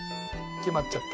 決まっちゃった。